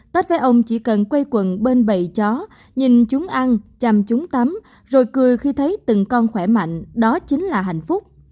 tết với ông chỉ cần quây quần bên bày chó nhìn chúng ăn chăm chúng tắm rồi cười khi thấy từng con khỏe mạnh đó chính là hạnh phúc